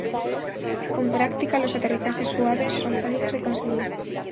Con práctica, los aterrizajes suaves son fáciles de conseguir.